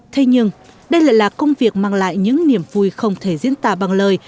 thế nhưng đây lại là công việc mang lại những niềm vui không thể diễn tả bằng lời